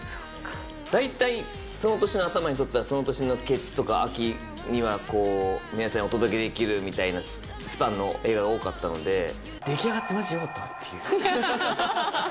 大体、その年の頭に撮ったら、その年のケツとか秋にはこう、皆さんにお届けできるみたいなスパンの映画が多かったので、出来上がってまじよかったなっていう。